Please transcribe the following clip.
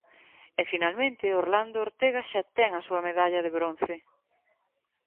E, finalmente, Orlando Ortega xa ten a súa medalla de bronce.